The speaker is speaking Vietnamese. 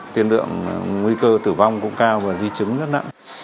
tiên lượng nguy cơ tử vong cũng cao và di chứng rất nặng